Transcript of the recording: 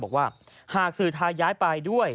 บอกว่าหากสื่อไทยย้ายไปด้วย